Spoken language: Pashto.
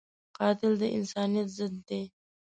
قاتل د انسانیت ضد دی